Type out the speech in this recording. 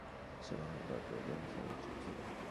আশা বাংলা গল্পের অত্যন্ত উদার সমালোচক ছিল।